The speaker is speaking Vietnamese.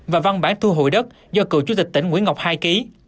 và văn bản thu hồi đất do cựu chủ tịch tỉnh nguyễn ngọc hai ký